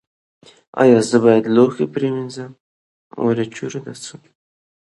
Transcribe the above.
ایا زه باید لوښي پریمنځم؟